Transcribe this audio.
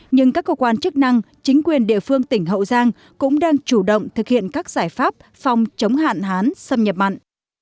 nhưng các cơ quan chức năng chính quyền địa phương tỉnh hậu giang cũng đang chủ động thực hiện các giải pháp phòng chống hạn hán xâm nhập mặn